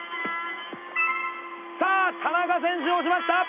さあ田中選手押しました。